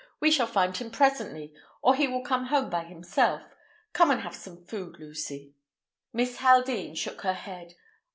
We shall find him presently, or he will come home by himself. Come and have some food, Lucy." Miss Haldean shook her head.